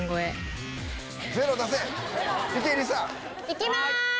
行きます！